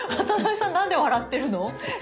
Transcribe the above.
渡辺さん何で笑ってるの？